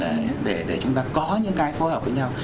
đấy để chúng ta có những cái phối hợp với nhau